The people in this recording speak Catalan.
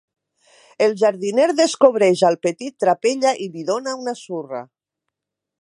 El jardiner descobreix al petit trapella i li dóna una surra.